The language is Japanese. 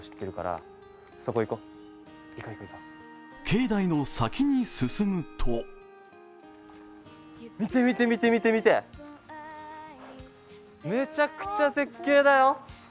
境内の先に進むと見て見て見て、めちゃくちゃ絶海だよ。